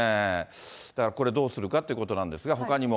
だからこれどうするかということなんですが、ほかにも。